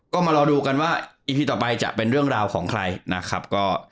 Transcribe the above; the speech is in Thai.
ก็มารอดูกันว่าอีพีต่อไปจะเป็นเรื่องราวของใครนะครับ